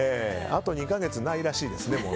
あと２か月ないらしいですね。